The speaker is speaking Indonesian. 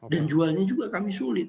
dan jualnya juga kami sulit